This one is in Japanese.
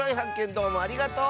どうもありがとう！